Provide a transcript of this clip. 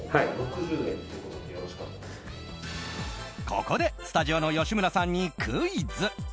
ここで、スタジオの吉村さんにクイズ。